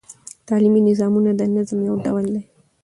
تعلیمي نظمونه د نظم یو ډول دﺉ.